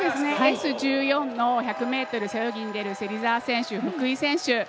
Ｓ１４の１００ｍ背泳ぎに出る芹澤選手、福井選手